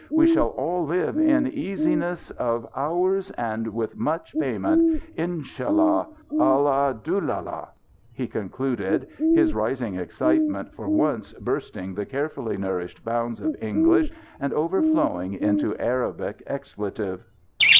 We shall all live in easiness of hours and with much payment. Inshallah! Alhandulillah!" he concluded, his rising excitement for once bursting the carefully nourished bounds of English and overflowing into Arabic expletive.